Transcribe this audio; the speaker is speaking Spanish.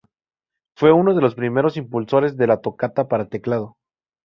Fue uno de los primeros impulsores de la toccata para teclado.